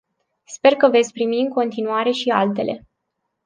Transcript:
Sper că veți primi în continuare și altele.